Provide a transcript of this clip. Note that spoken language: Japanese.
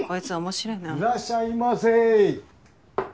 いらっしゃいませ。